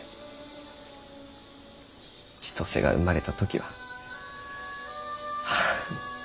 千歳が生まれた時ははあ